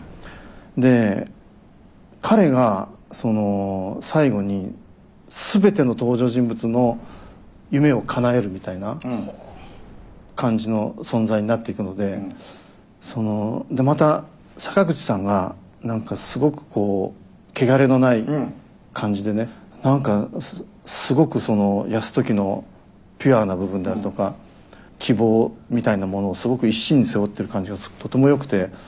で彼が最後に全ての登場人物の夢をかなえるみたいな感じの存在になっていくのでそのまた坂口さんが何かすごくこう汚れのない感じでね何かすごく泰時のピュアな部分であるとか希望みたいなものをすごく一身に背負ってる感じがとてもよくて。